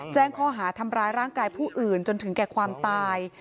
แจ้งข้อหาทำร้ายร่างกายผู้อื่นจนถึงแก่ความตาย